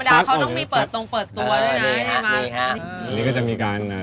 อย่างนี้ก็จะทำการ